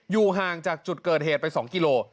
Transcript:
ห่างจากจุดเกิดเหตุไป๒กิโล